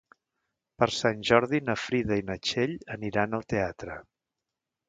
Per Sant Jordi na Frida i na Txell aniran al teatre.